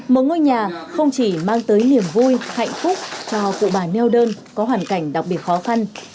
một ngôi nhà không chỉ mang tới niềm vui hạnh phúc cho cụ bà neo đơn có hoàn cảnh đặc biệt khó khăn